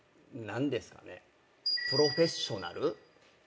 プロフェッショナル。